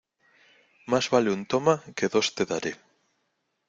Más vale un "toma" que dos "te daré".